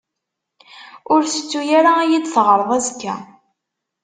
Ur tettu ara ad yi-d-taɣreḍ azekka.